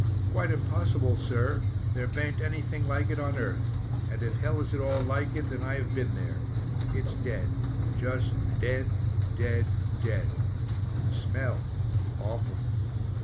"Quite impossible, sir; there baint anything like it on earth, and if hell is at all like it then I have been there. It's dead; just dead dead dead! And the smell awful."